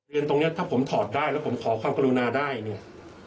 ตรงนี้ถ้าผมถอดได้แล้วผมขอความกรุณาได้เนี่ย